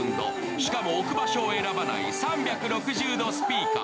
しかも置く場所を選ばない３６０度スピーカー。